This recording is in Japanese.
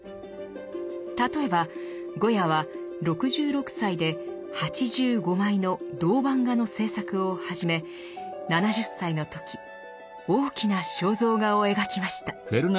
例えばゴヤは６６歳で８５枚の銅版画の制作を始め７０歳の時大きな肖像画を描きました。